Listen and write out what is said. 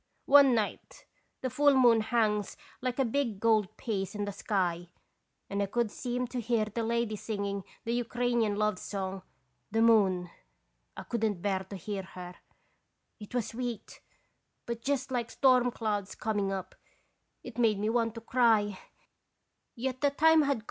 One night the full moon hangs like a big gold piece in the sky, and I could seem to hear the lady singing the Ukrainian love song, * The Moon.' I could n't bear to hear her it was sweet, but just like storm clouds coming up, it made me want to cry yet the time had 31 radons bisitation.